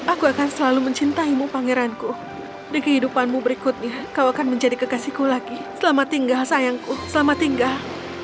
aku akan selalu mencintaimu pangeranku di kehidupanmu berikutnya kau akan menjadi kekasihku lagi selamat tinggal sayangku selamat tinggal